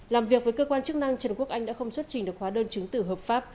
làm việc với cơ quan chức năng trần quốc anh đã không xuất trình được khóa đơn chứng tử hợp pháp